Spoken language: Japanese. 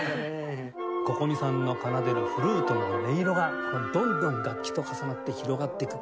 Ｃｏｃｏｍｉさんの奏でるフルートの音色がどんどん楽器と重なって広がっていく